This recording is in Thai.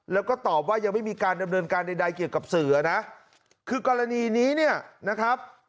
แล้วก็ตอบว่ายังไม่มีการดำเนินการใดเกี่ยวกับสื่อนะคือกรณีนี้เนี่ยนะครับ